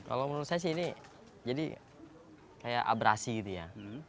kalau menurut saya sih ini jadi kayak abrasi gitu ya